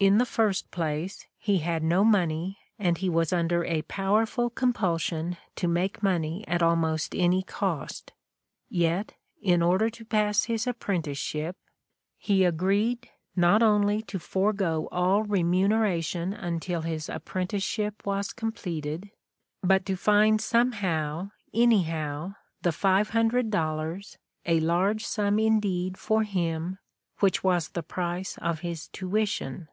In the first place, he had no money, and he was under a powerful compulsion to make money at almost any cost. Yet, in order to pass his apprenticeship, he agreed not only to forgo all remuneration until his apprentice The Candidate for Life 49 ship was completed, but to find somehow, anyhow, the five hundred dollars, a large sum indeed for him, which was the price of his tuition.